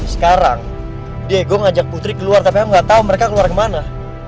sekarang diego ngajak putri keluar tapi aku nggak tahu mereka keluar kemana